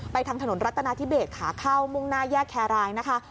ทางถนนรัฐนาธิเบสขาเข้ามุ่งหน้าแยกแครรายนะคะ